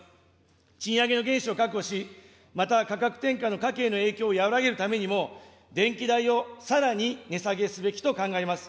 賃上げの原資を確保し、また価格転嫁の家計への影響を和らげるためにも、電気代をさらに値下げすべきと考えます。